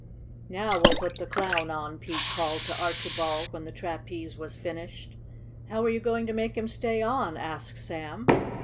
"Now well put the Clown on," Pete called to Archibald, when the trapeze was finished. "How are you going to make him stay on?" asked Sam.